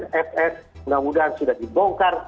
nfs mudah mudahan sudah dibongkar